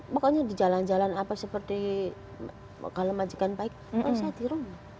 pokoknya di jalan jalan apa seperti kalau majikan baik harusnya di rumah